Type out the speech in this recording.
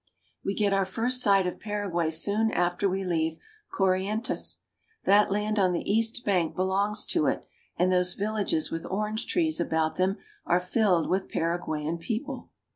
,/ We get our first sight of Paraguay soon after we leave./ Corrientes. That land on the east bank belongs to it, and those villages with orange trees about them are filled with Paraguayan people.